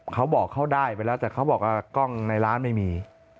เขาบอกเขาได้ไปแล้วแต่เขาบอกว่ากล้องในร้านไม่มี